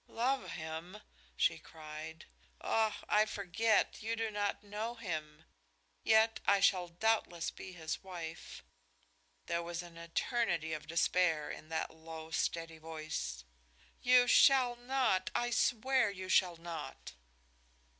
"Love him!" she cried. "Ach, I forget! You do not know him. Yet I shall doubtless be his wife." There was an eternity of despair in that low, steady voice. "You shall not! I swear you shall not!"